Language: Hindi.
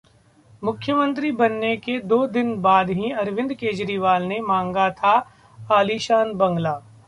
मुख्यमंत्री बनने के दो दिन बाद ही अरविंद केजरीवाल ने मांगा था आलीशान बंगला!